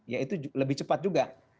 ya itu lebih cepat juga